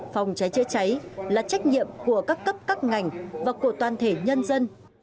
phòng cháy chữa cháy là trách nhiệm của các cấp các ngành và của toàn thể nhân dân